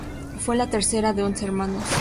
Fue la tercera de once hermanos.